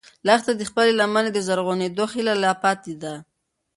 لښتې ته د خپلې لمنې د زرغونېدو هیله لا پاتې ده.